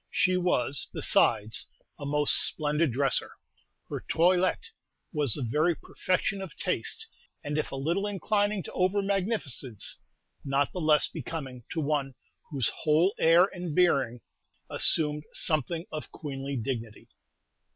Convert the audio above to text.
She was, besides, a most splendid dresser. Her toilet was the very perfection of taste, and if a little inclining to over magnificence, not the less becoming to one whose whole air and bearing assumed something of queenly dignity.